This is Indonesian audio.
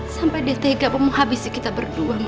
sampai dia tega mau habisi kita berdua